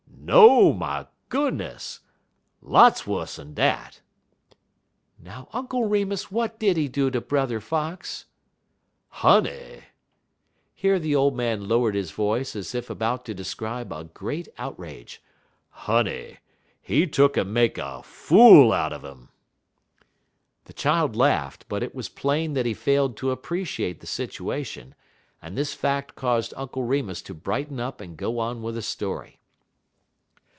"No, my goodness! Lots wuss'n dat!" "Now, Uncle Remus, what did he do to Brother Fox?" "Honey!" here the old man lowered his voice as if about to describe a great outrage "Honey! he tuck'n make a fool out'n 'im!" The child laughed, but it was plain that he failed to appreciate the situation, and this fact caused Uncle Remus to brighten up and go on with the story.